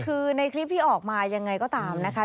คือในคลิปที่ออกมายังไงก็ตามนะคะ